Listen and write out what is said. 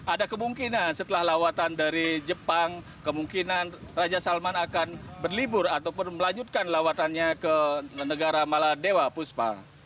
ada kemungkinan setelah lawatan dari jepang kemungkinan raja salman akan berlibur ataupun melanjutkan lawatannya ke negara maladewa puspa